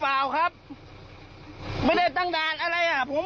ผมผิดอะไรครับ